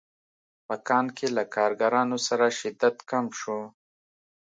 په کان کې له کارګرانو سره شدت کم شو